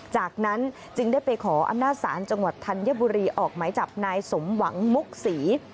จากนั้นจึงได้ไปขออำนาจศาลจังหวัดธัญบุรีออกหมายจับนายสมหวังมุกศรี